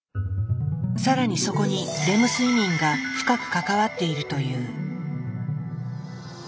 更にそこにレム睡眠が深く関わっているという。